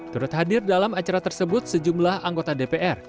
turut hadir dalam acara tersebut sejumlah anggota dpr